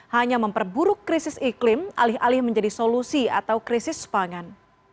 hanya memperburuk krisis iklim alih alih menjadi solusi atau krisis pangan